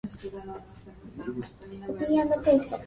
The Crown left in place the political system created under the Company.